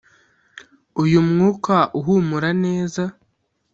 uyumwuka uhumura neza